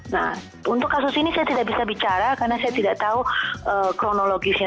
nah untuk kasus ini saya tidak bisa bicara karena saya tidak tahu kronologisnya